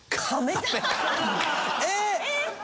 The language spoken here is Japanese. えっ！